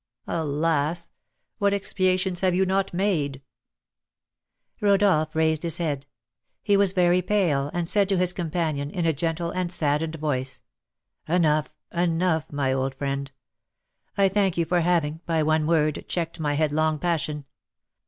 Alas! what expiations have you not made " Rodolph raised his head; he was very pale, and said to his companion, in a gentle and saddened voice, "Enough, enough, my old friend; I thank you for having, by one word, checked my headlong passion.